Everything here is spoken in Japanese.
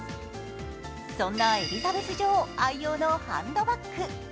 そんなエリザベス女王愛用のハンドバッグ。